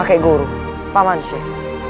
keguru pak mansyek